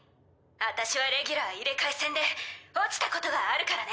私はレギュラー入れ替え戦で落ちたことがあるからね。